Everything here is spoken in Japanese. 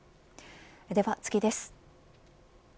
では次です。